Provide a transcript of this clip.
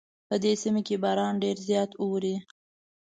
په دې سیمه کې باران ډېر زیات اوري